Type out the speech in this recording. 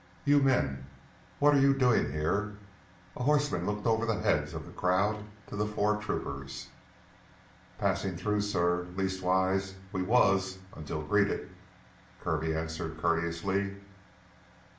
"You men what are you doing here?" A horseman looked over the heads of the crowd to the four troopers. "Passin' through, suh. Leastwise we was, until greeted " Kirby answered courteously.